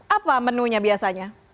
apa menunya biasanya